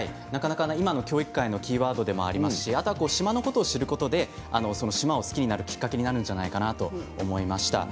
今の教育界のキーワードでもありますし島のことを知ることで島を好きになるきっかけになるんじゃないかなと思いました。